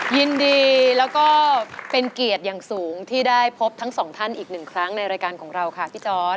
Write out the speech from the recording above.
ยินดีแล้วก็เป็นเกียรติอย่างสูงที่ได้พบทั้งสองท่านอีกหนึ่งครั้งในรายการของเราค่ะพี่จอร์ด